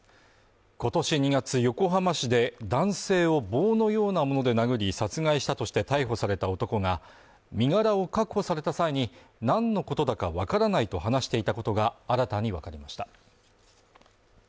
今年２月横浜市で男性を棒のようなもので殴り殺害したとして逮捕された男が身柄を確保された際に、何のことだかわからないと話していたことが新たにわかりました。